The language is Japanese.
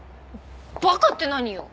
バカって何よ！